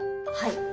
はい。